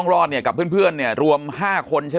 ปากกับภาคภูมิ